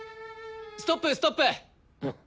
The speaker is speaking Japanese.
ストップストップ！